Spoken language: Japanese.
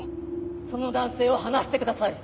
その男性を放してください。